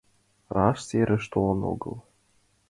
Раш, серыш толын огыл.